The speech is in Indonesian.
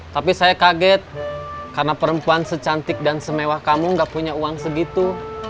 tapi saya kaget karena perempuan secantik dan semewah kamu gak punya uang segitu